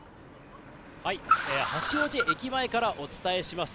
八王子駅前からお伝えします。